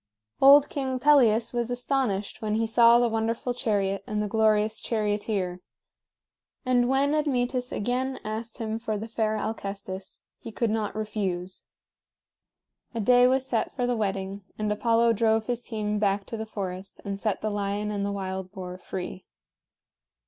Old King Pelias was astonished when he saw the wonderful chariot and the glorious charioteer; and when Admetus again asked him for the fair Alcestis, he could not refuse. A day was set for the wedding, and Apollo drove his team back to the forest and set the lion and the wild boar free.